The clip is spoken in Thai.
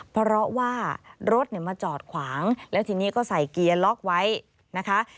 เพราะว่ารถมาจอดขวางแล้วทีนี้ก็ใส่เกียร์ล็อกไว้นะคะ